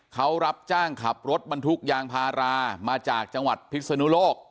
เขารับจ้างขับรถบรรทุกยางพารามาจากจังหวัดพิศนุโลก